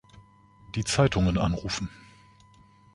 Die Zeitungen anrufen.